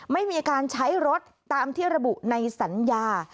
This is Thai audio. ไม่มีการใช้รถตามที่ระบุในสัญญา